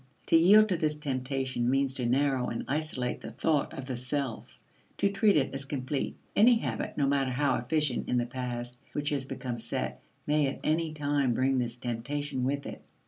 To yield to this temptation means to narrow and isolate the thought of the self to treat it as complete. Any habit, no matter how efficient in the past, which has become set, may at any time bring this temptation with it.